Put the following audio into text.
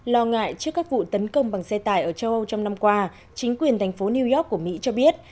lo ngại trước các vụ tấn công bằng xe tải ở châu âu trong năm qua chính quyền thành phố new york của mỹ cho biết